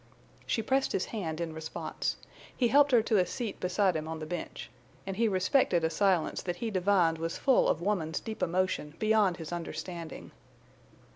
She pressed his hand in response. He helped her to a seat beside him on the bench. And he respected a silence that he divined was full of woman's deep emotion beyond his understanding.